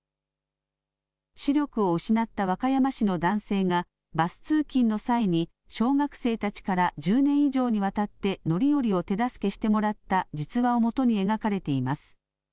視力を失った和歌山市の男性がバス通勤の際に小学生たちから１０年以上にわたって乗り降りを手助けしてもらった実話をもとに描かれています。